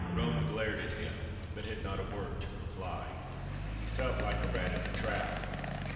Roane glared at him, but had not a word to reply. He felt like a rat in a trap.